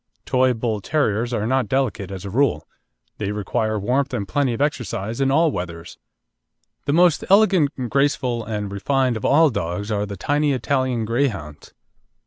Toy Bull terriers are not delicate as a rule. They require warmth and plenty of exercise in all weathers. The most elegant, graceful, and refined of all dogs are the tiny Italian Greyhounds.